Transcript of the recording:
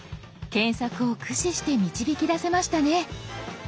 検索を駆使して導き出せましたね。